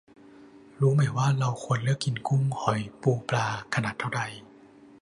รู้ไหมว่าเราควรเลือกกินกุ้ง หอย ปู ปลา ขนาดเท่าใด